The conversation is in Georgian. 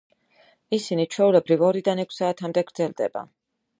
ისინი, ჩვეულებრივ, ორიდან ექვს საათამდე გრძელდება.